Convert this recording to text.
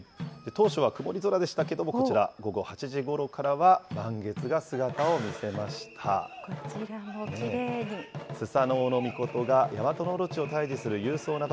当初は曇り空でしたけれども、こちら、午後８時ごろからは満月がこちらもきれいに。